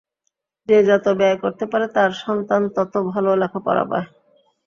যে যত ব্যয় করতে পারে, তার সন্তান তত ভালো লেখাপড়া পায়।